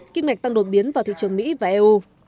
kích mạch tăng đột biến vào thị trường mỹ và eu